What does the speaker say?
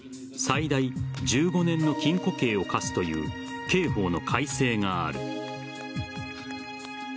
最大１５年の禁錮刑を科すという刑法の改正がある。